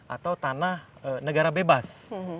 atau tanah negara bebas